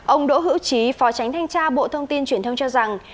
ông đỗ hữu trí phó tránh thanh tra bộ thông tin truyền thông cho rằng